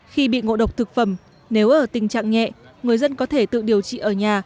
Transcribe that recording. khi bị ngộ độc thực phẩm nếu ở tình trạng nhẹ người dân có thể tự điều trị ở nhà